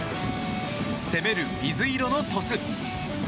攻める水色の鳥栖。